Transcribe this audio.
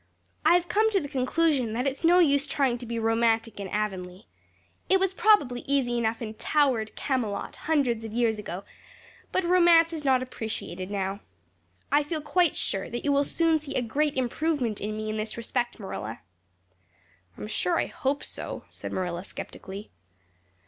I have come to the conclusion that it is no use trying to be romantic in Avonlea. It was probably easy enough in towered Camelot hundreds of years ago, but romance is not appreciated now. I feel quite sure that you will soon see a great improvement in me in this respect, Marilla." "I'm sure I hope so," said Marilla skeptically.